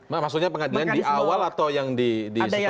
maksudnya pengadilan di awal atau yang di setelahnya